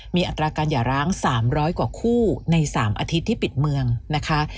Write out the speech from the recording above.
มีอัตราการหย่าร้าง๓๐๐กว่าคู่ใน๓อาทิตย์ที่ปิดเมืองนะคะ